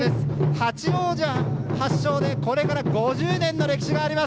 八王子発祥で５０年の歴史があります。